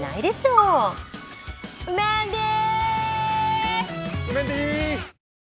うメンディー！